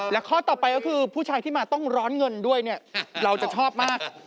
และข้อต่อไปก็คือผู้ชายที่มาต้องร้อนเงินด้วยเนี่ยเราจะชอบมาก